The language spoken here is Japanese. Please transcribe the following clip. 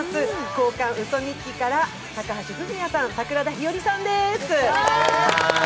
「交換ウソ日記」から高橋文哉さんと、桜田ひよりさんです。